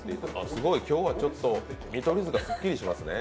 すごい、今日はちょっと見取り図がすっきりしますね。